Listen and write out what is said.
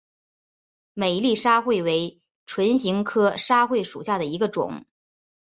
美丽沙穗为唇形科沙穗属下的一个种。